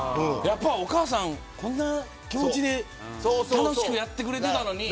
お母さん、こんな気持ちで楽しくやってくれてたのに。